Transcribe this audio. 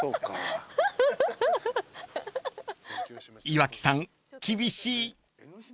［岩城さん厳しい］